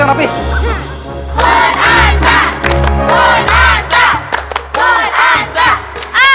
kuranta kuranta kuranta